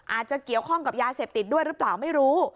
อาจจะเกี่ยวข้องกับยาเสพติดด้วยหรือเปล่าไม่รู้